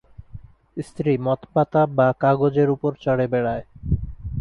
স্ত্রী মথ পাতা বা কাগজের উপর চরে বেড়ায়।